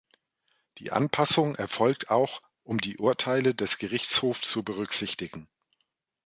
Die Anpassung erfolgt auch, um die Urteile des Gerichtshofs zu berücksichtigen.